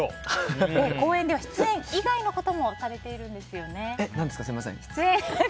公演では出演以外のこともされているんですよね。